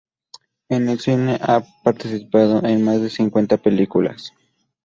En el cine ha participado en más de cincuenta películas.